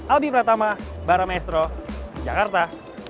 albi pratama barameestro jakarta